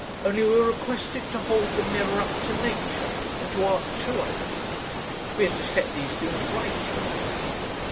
Only we are requested 'to hold the mirror up to nature,' and to art too, I believe. We are to set these things right, you know.'